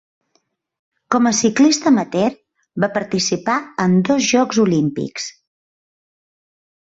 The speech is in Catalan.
Com a ciclista amateur va participar en dos Jocs Olímpics.